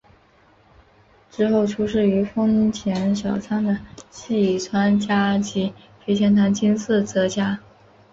之后出仕于丰前小仓的细川家及肥前唐津寺泽家。